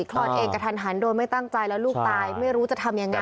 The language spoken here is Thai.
คลอดเองกระทันหันโดยไม่ตั้งใจแล้วลูกตายไม่รู้จะทำยังไง